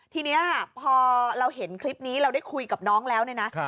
ทีนี้พอเราเห็นคลิปนี้เราได้คุยกับน้องแล้วเนี่ยนะ